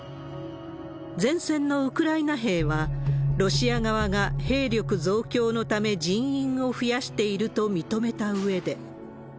前線のウクライナ兵は、ロシア側が兵力増強のため人員を増やしていると認めたうえで。